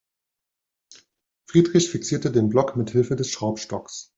Friedrich fixierte den Block mithilfe des Schraubstocks.